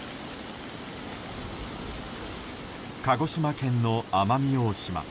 鹿児島県の奄美大島。